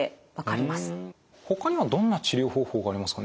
ほかにはどんな治療方法がありますかね？